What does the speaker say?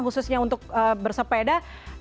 khususnya untuk bersepeda